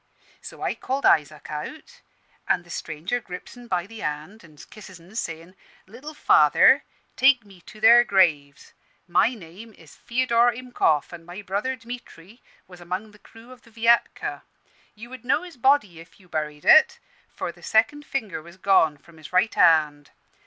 So I called Isaac out; an' the stranger grips 'en by the hand an' kisses 'en, sayin', 'Little father, take me to their graves. My name is Feodor Himkoff, an' my brother Dmitry was among the crew of the Viatka. You would know his body, if you buried it, for the second finger was gone from his right hand.